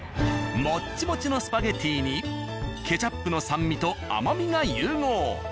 モッチモチのスパゲティにケチャップの酸味と甘みが融合。